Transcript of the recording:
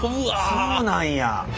そうなんや。